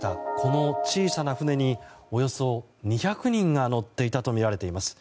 イタリアの海岸で大破したこの小さな船におよそ２００人が乗っていたとみられています。